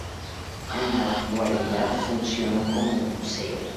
En la actualidad funciona como museo.